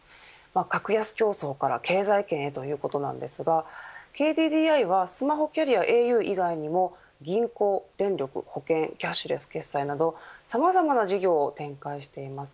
格安競争から経済圏へということなんですがＫＤＤＩはスマホキャリアａｕ以外にも銀行、電力、保険キャッシュレス決済などさまざまな事業を展開しています。